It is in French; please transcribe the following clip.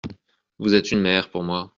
Vous êtes une mère pour moi.